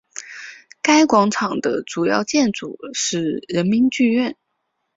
该广场的主要建筑是人民剧院。